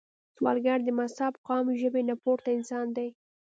سوالګر د مذهب، قام، ژبې نه پورته انسان دی